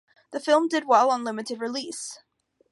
The film did well on limited release.